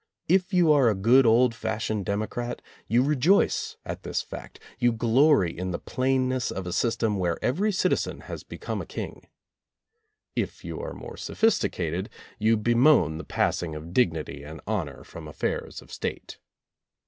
If you are a good old fashioned demo crat, you rejoice at this fact, you glory in the plainness of a system where every citizen has be come a king. If you are more sophisticated you bemoan the passing of dignity and honor from affairs of State.